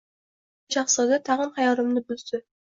Biroq Kichkina shahzoda tag‘in xayolimni buzdi: